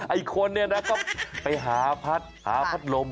ไอ้คนนี่นะก็ไปหาพัดหาพัดลม